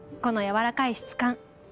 このやわらかい質感。